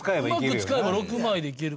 うまく使えば６枚でいける。